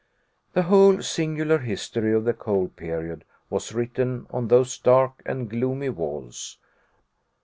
The whole singular history of the coal period was written on those dark and gloomy walls.